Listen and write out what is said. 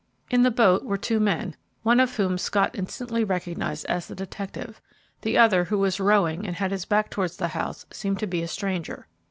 In the boat were two men, one of whom Scott instantly recognized as the detective; the other, who was rowing and had his back towards the house, seemed to be a stranger.